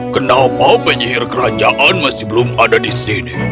kenapa penyihir kerajaan masih belum ada di sini